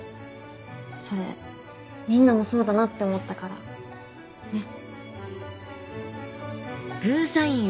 それみんなもそうだなって思ったからねっ。